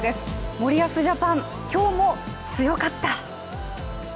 森保ジャパン、今日も強かった。